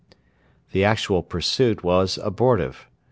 The actual pursuit was abortive.